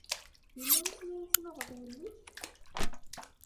Yella wasmi ay tennuɣeḍ yelli-k?